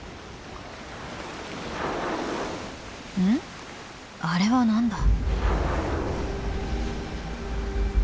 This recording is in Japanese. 「ん？あれは何だ？」。